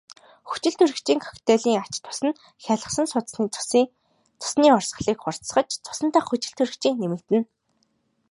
Хүчилтөрөгчийн коктейлийн ач тус нь хялгасан судасны цусны урсгал хурдсаж цусан дахь хүчилтөрөгч нэмэгдэнэ.